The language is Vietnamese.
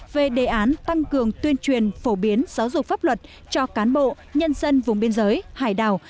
về đề án tăng cường tuyên truyền phổ biến giáo dục pháp luật cho cán bộ nhân dân vùng biên giới hải đảo